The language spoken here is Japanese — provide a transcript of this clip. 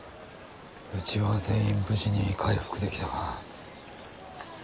うちは全員無事に回復できたが。